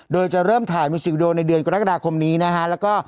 โดยจะเริ่มถ่ายมิวซิวิโดในเดือนกรกฎาคมนี้นะฮะแล้วก็